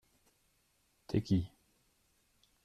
T’es qui ?